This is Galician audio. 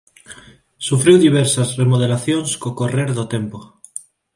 Sufriu diversas remodelacións co correr do tempo.